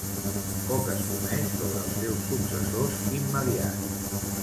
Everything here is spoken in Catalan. Poc es coneix sobre els seus successors immediats.